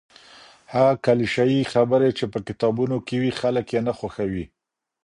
هغه کليشه يي خبرې چي په کتابونو کي وي خلګ يې نه خوښوي.